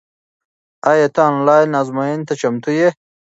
آیا ته آنلاین ازموینې ته چمتو یې؟